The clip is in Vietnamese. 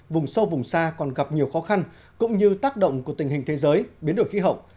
vùng sâu vùng xa còn gặp nhiều khó khăn cũng như tác động của tình hình thế giới biến đổi khí hậu